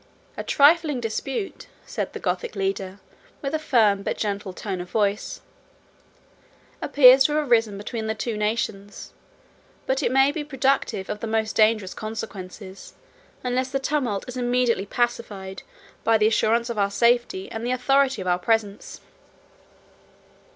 "A trifling dispute," said the Gothic leader, with a firm but gentle tone of voice, "appears to have arisen between the two nations; but it may be productive of the most dangerous consequences, unless the tumult is immediately pacified by the assurance of our safety, and the authority of our presence."